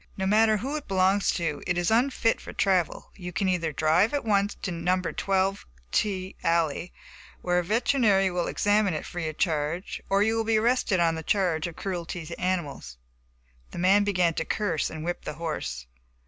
"No matter who it belongs to, it is unfit for travel. You can either drive at once to No. 12 T alley, where a veterinary will examine it free of charge, or you will be arrested on charge of cruelty to animals." The man began to curse and whip the horse.